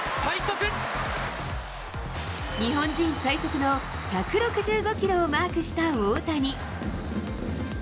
日本人最速の１６５キロをマークした大谷。